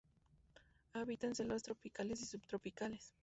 Habita en selvas tropicales y subtropicales.